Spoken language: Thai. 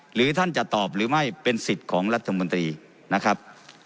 หรือท่านจะตอบหรือไม่เป็นสิทธิ์ของรัฐมนตรีนะครับ